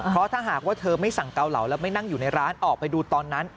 เพราะถ้าหากว่าเธอไม่สั่งเกาเหลาแล้วไม่นั่งอยู่ในร้านออกไปดูตอนนั้น